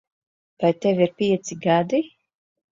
Vai tev ir pieci gadi?